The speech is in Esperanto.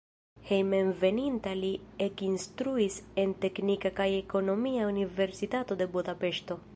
Hejmenveninta li ekinstruis en Teknika kaj Ekonomia Universitato de Budapeŝto.